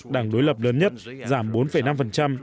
đảng đối lập lớn nhất giảm bốn năm